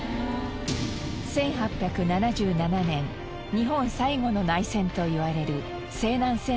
１８７７年日本最後の内戦といわれる西南戦争が勃発。